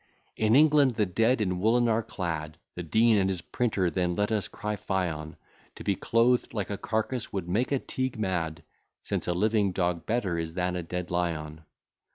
In England the dead in woollen are clad, The Dean and his printer then let us cry fie on; To be clothed like a carcass would make a Teague mad, Since a living dog better is than a dead lion.